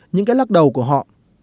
những cái lắc đầu của họ